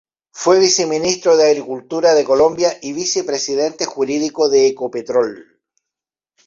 Fue viceministro de Agricultura de Colombia y vicepresidente jurídico de Ecopetrol.